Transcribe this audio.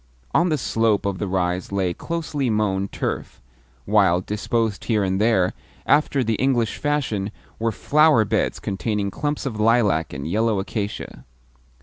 On the slope of the rise lay closely mown turf, while, disposed here and there, after the English fashion, were flower beds containing clumps of lilac and yellow acacia.